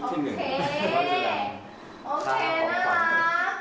คนไทยบุญ